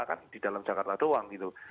kan di dalam jakarta doang gitu